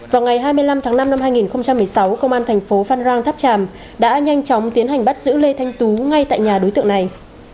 vào ngày hai mươi năm tháng năm năm hai nghìn một mươi sáu công an thành phố phan rang tháp tràm đã nhanh chóng tiến hành bắt giữ lê thanh tú ngay tại nhà đối tượng này